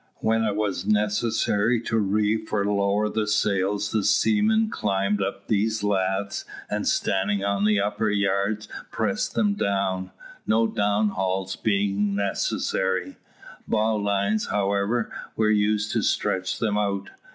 When it was necessary to reef or lower the sails the seamen climbed up these laths, and standing on the upper yards pressed them down, no down hauls being necessary. Bowlines, however, were used to stretch them out.